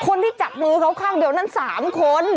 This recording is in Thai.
คนที่จับมือเขาข้างเดียวนั้น๓คน